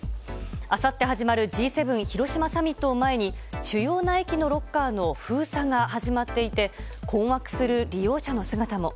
あさって始まるＧ７広島サミットを前に主要な駅のロッカーの封鎖が始まっていて困惑する利用者の姿も。